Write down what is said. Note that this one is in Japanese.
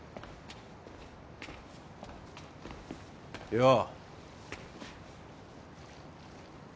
よう。